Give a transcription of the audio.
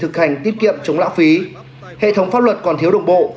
thực hành tiết kiệm chống lãng phí hệ thống pháp luật còn thiếu đồng bộ